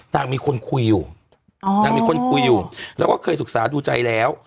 นางมีคนคุยอยู่นางมีคนคุยอยู่แล้วก็เคยศึกษาดูใจแล้ว